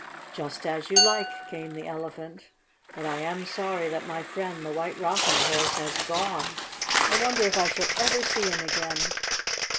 "Just as you like," came from the Elephant. "But I am sorry that my friend, the White Rocking Horse, has gone. I wonder if I shall ever see him again."